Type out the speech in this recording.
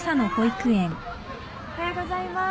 おはようございます。